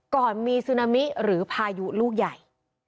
ก่อนมีซึนามิหรือพายุลูกใหญ่